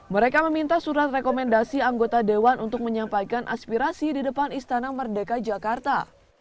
mereka meminta surat rekomendasi anggota dewan untuk menyampaikan aspirasi di depan istana merdeka jakarta